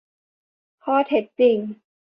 ข้อเท็จจริง